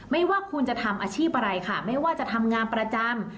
ไม่ว่าคุณจะทำอาชีพอะไรค่ะไม่ว่าจะทำงานประจำ